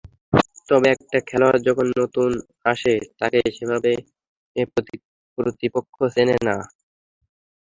তবে একটা খেলোয়াড় যখন নতুন আসে, তাকে সেভাবে প্রতিপক্ষ চেনে না।